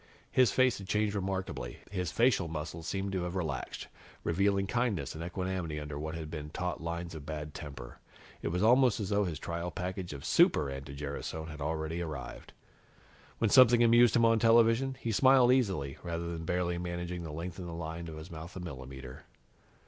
His face had changed remarkably. His facial muscles seemed to have relaxed, revealing kindness and equanimity under what had been taut lines of bad temper. It was almost as though his trial package of Super anti gerasone had already arrived. When something amused him on television, he smiled easily, rather than barely managing to lengthen the thin line of his mouth a millimeter.